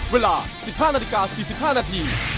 เวลา๑๕นาฬิกา๔๕นาที